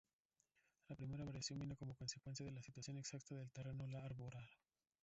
La primera variación vino como consecuencia de la situación exacta del terreno arbolado.